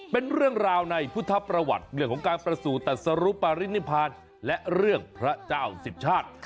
เป็นเรื่องราวในพุทธประวัติเรื่องของการประสูจนตัดสรุปรินิพานและเรื่องพระเจ้าสิบชาติ